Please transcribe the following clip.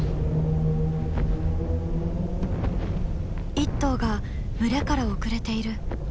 一頭が群れから遅れている。